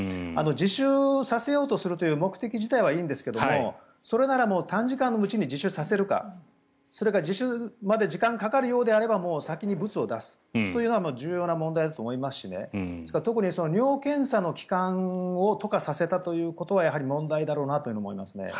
自首させようとする目的自体はいいんですがそれなら短時間のうちに自首させるかそれが自首まで時間がかかるようであれば先にブツを出すというのが重要な問題だと思いますし尿検査の期間を許可させたというのはやはり問題だろうなと思います。